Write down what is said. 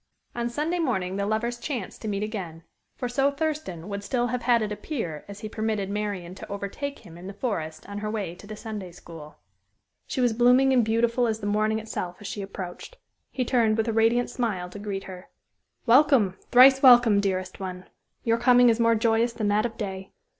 On Sunday morning the lovers "chanced" to meet again for so Thurston would still have had it appear as he permitted Marian to overtake him in the forest on her way to the Sunday school. She was blooming and beautiful as the morning itself as she approached. He turned with a radiant smile to greet her. "Welcome! thrice welcome, dearest one! Your coming is more joyous than that of day.